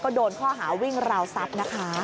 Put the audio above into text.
ก็โดนข้อหาวิ่งเราสับนะคะ